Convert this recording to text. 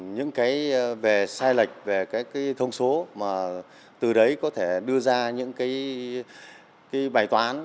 những cái về sai lệch về các cái thông số mà từ đấy có thể đưa ra những cái bài toán